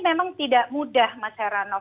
memang tidak mudah mas heranov